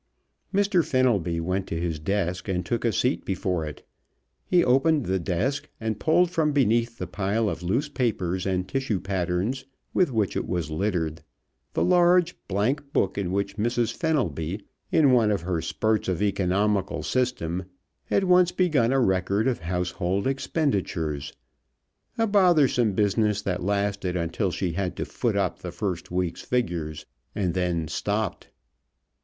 Mr. Fenelby went to his desk and took a seat before it. He opened the desk and pulled from beneath the pile of loose papers and tissue patterns with which it was littered the large blankbook in which Mrs. Fenelby, in one of her spurts of economical system, had once begun a record of household expenditures a bothersome business that lasted until she had to foot up the first week's figures, and then stopped.